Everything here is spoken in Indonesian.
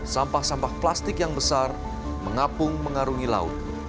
sampah sampah plastik yang besar mengapung mengarungi laut